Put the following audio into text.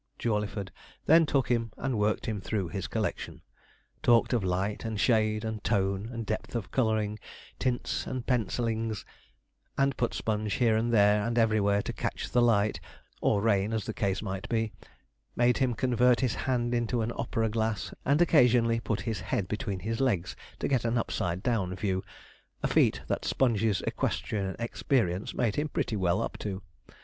Jawleyford then took him and worked him through his collection talked of light and shade, and tone, and depth of colouring, tints, and pencillings; and put Sponge here and there and everywhere to catch the light (or rain, as the case might be); made him convert his hand into an opera glass, and occasionally put his head between his legs to get an upside down view a feat that Sponge's equestrian experience made him pretty well up to.